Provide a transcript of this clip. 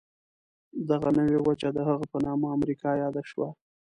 دغه نوې وچه د هغه په نامه امریکا یاده شوه.